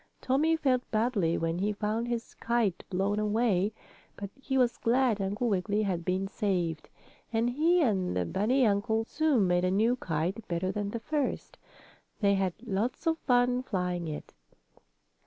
Tommie felt badly when he found his kite blown away. But he was glad Uncle Wiggily had been saved, and he and the bunny uncle soon made a new kite, better than the first. They had lots of fun flying it.